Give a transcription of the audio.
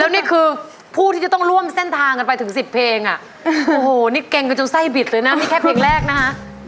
นี่คือผู้ที่จะต้องร่วมเส้นทางกันไปถึงสิบเพลงอ่ะโอ้โหนี่เก่งกันจนไส้บิดเลยนะนี่แค่เพลงแรกนะคะ